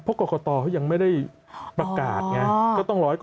เพราะกรกษ์ตอตยังไม่ได้ประกาศง่าย